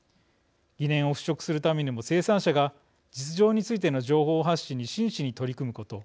疑念を払拭するためにも生産者が実情についての情報発信に真摯に取り組むこと